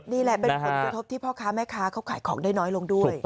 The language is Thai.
นี่แหละเป็นผลกระทบที่พ่อค้าแม่ค้าเขาขายของได้น้อยลงด้วย